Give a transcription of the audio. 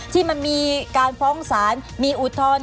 ที่มันมีการฟ้องศาลมีอุทธรณ์